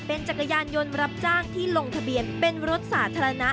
จักรยานยนต์รับจ้างที่ลงทะเบียนเป็นรถสาธารณะ